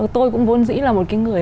tôi cũng vốn dĩ là một cái người